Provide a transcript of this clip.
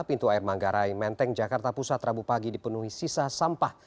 pintu air manggarai menteng jakarta pusat rabu pagi dipenuhi sisa sampah